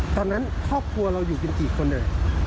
ตอนนั้นครอบครัวเราอยู่เป็นกี่คนเลย